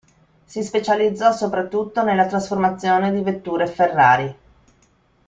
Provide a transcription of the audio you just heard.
Si specializzò soprattutto nella trasformazione di vetture Ferrari.